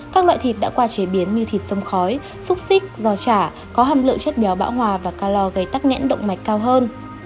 các loại thịt đã qua chế biến như thịt sông khói xúc xích giò chả có hàm lượng chất béo bão hòa và calor gây tắc nghẽn động mạch cao hơn